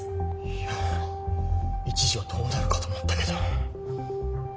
いや一時はどうなるかと思ったけど。